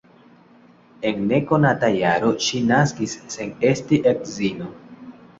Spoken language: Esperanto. En nekonata jaro ŝi naskis sen esti edzino.